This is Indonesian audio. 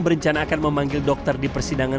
berencana akan memanggil dokter di persidangan